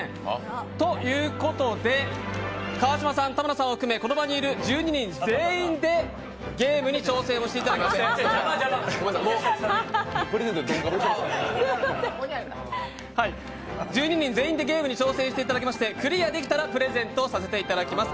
ということで、川島さん、田村さんを含め、この場にいる１２人全員でゲームに挑戦をしていただきまして、クリアできたらプレゼントさせていただきます。